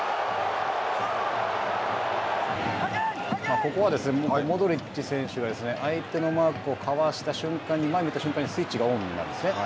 ここは、モドリッチ選手が相手のマークをかわした瞬間に前を向いた瞬間にスイッチがオンになるんですね。